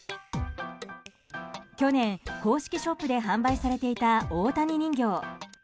去年、公式ショップで販売されていた大谷人形。